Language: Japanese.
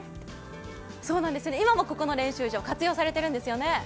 今もここの競技場、活躍してるんですよね。